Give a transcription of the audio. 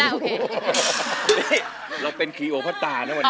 เราก็เป็นเคลียร์โอ้ภัตตานะวันนี้